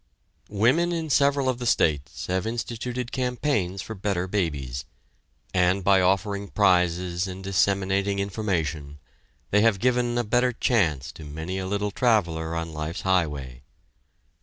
Women in several of the states have instituted campaigns for "Better Babies," and by offering prizes and disseminating information, they have given a better chance to many a little traveler on life's highway.